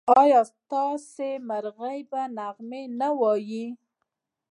ایا ستاسو مرغۍ به نغمې نه وايي؟